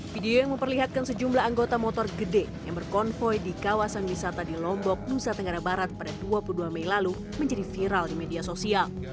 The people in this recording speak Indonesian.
video yang memperlihatkan sejumlah anggota motor gede yang berkonvoy di kawasan wisata di lombok nusa tenggara barat pada dua puluh dua mei lalu menjadi viral di media sosial